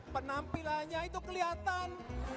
penampilannya itu kelihatan